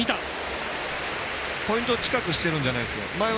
ポイントを近くしてるんじゃないんですよ。